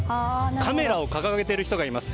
カメラを掲げている人がいます。